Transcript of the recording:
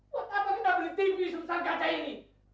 buat apa kita beli tv sebesar kaca ini